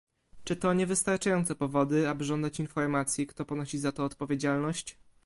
czy to niewystarczające powody, aby żądać informacji, kto ponosi za to odpowiedzialność?